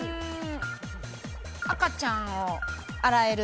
赤ちゃんを洗える。